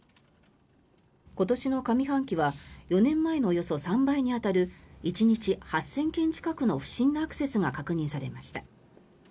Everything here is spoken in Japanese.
今年の上半期は４年前のおよそ３倍に当たる１日８０００件近くの不審なアクセスが確認されました。